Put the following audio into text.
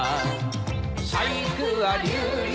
細工は流々